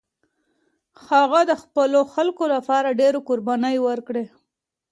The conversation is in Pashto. هغه د خپلو خلکو لپاره ډېرې قربانۍ ورکړې.